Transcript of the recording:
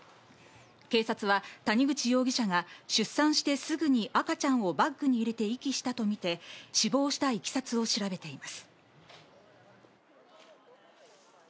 警察は谷口容疑者が出産して、すぐに赤ちゃんをバッグに入れて遺棄したとみて、死亡した経緯を調べています。